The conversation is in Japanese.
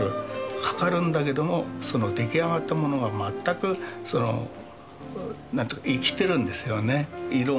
かかるんだけども出来上がったものが全く生きてるんですよね。